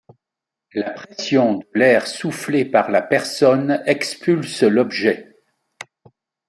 La pression de l'air soufflé par la personne expulse l'objet.